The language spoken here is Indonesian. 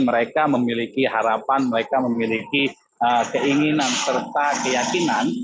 mereka memiliki harapan mereka memiliki keinginan serta keyakinan